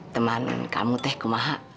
teman kamu teh kumaha